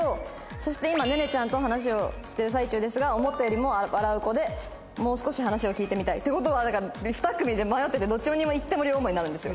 そして今音々ちゃんと話をしてる最中ですが思ったよりも笑う子でもう少し話を聞いてみたい。って事はだから２組で迷っててどっちにいっても両思いになるんですよ。